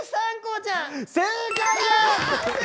正解です！わ！